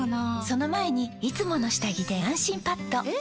その前に「いつもの下着で安心パッド」え？！